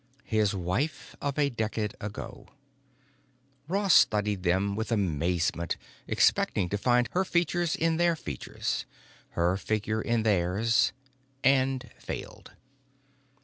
His wife of a decade ago.... Ross studied them with amazement, expecting to find her features in their features, her figure in theirs. And failed.